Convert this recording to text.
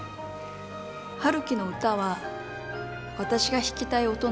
陽樹の歌は私が弾きたい音なんです。